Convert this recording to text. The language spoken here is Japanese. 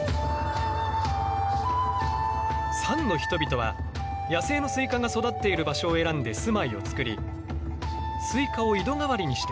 サンの人々は野生のスイカが育っている場所を選んで住まいをつくりスイカを井戸代わりにして生活していた。